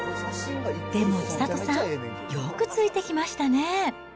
でも、千里さん、よくついてきましたね。